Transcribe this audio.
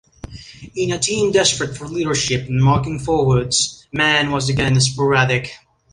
In a team desperate for leadership and marking forwards, Mann was again sporadic.